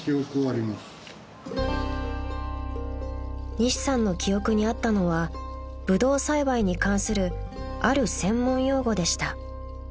［西さんの記憶にあったのはブドウ栽培に関するある専門用語でした］